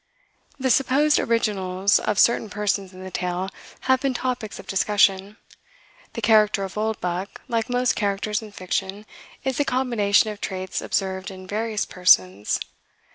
The supposed "originals" of certain persons in the tale have been topics of discussion. The character of Oldbuck, like most characters in fiction, is a combination of traits observed in various persons.